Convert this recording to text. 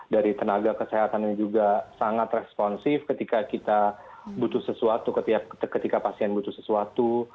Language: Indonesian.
dari tenaga kesehatan yang juga sangat responsif ketika kita butuh sesuatu ketika pasien butuh sesuatu